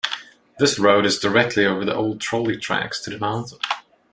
This road is directly over the old trolley tracks to the mountain.